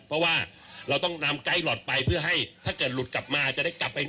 เพราะว่าเราต้องนำไกด์หลอทไปเพื่อให้ถ้าเกิดหลุดกลับมาจะได้กลับไป